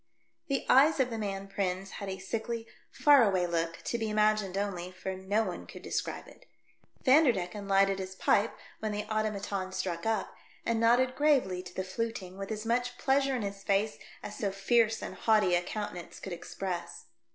The eyes of the man Prins had a sickly, far away look, to be imagined only, for no one could describe it. Vanderdecken lighted his pipe when the automaton struck up, and nodded gravely to the fluting with as much pleasure in his face as so fierce and haughty a countenance could express.